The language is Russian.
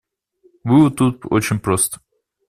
Вывод тут очень прост.